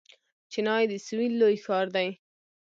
چنای د سویل لوی ښار دی.